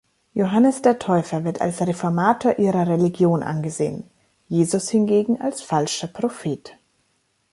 Johannes der Täufer wird als Reformator ihrer Religion angesehen, Jesus hingegen als falscher Prophet.